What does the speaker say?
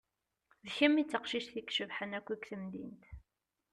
D kemm i d taqcict i icebḥen akk g temdint.